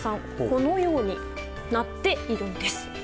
このようになっているんです。